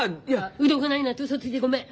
うどんがないなんて嘘ついてごめん。